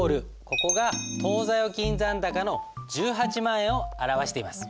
ここが当座預金残高の１８万円を表しています。